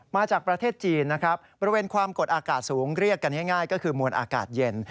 มาจากประเทศจีนนะครับบริเวณความกดอากาศสูงเรียกกันง่ายก็คือมวลอากาศเย็น